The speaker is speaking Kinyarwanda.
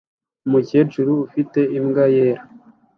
Umukecuru ufite imbwa yera